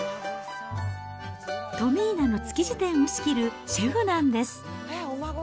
トミーナの築地店を仕切るシェフなんです。